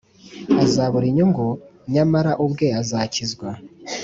azabura inyungu, nyamara ubwe azakizwa,